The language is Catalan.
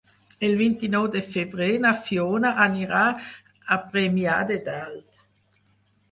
El vint-i-nou de febrer na Fiona anirà a Premià de Dalt.